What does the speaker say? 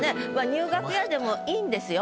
「入学や」でもいいんですよ。